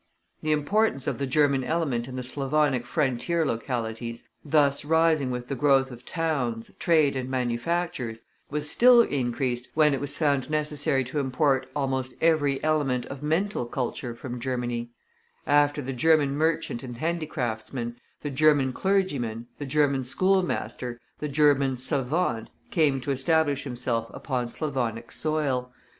The importance of the German element in the Slavonic frontier localities, thus rising with the growth of towns, trade and manufactures, was still increased when it was found necessary to import almost every element of mental culture from Germany; after the German merchant and handicraftsman, the German clergyman, the German school master, the German savant came to establish himself upon Slavonic soil.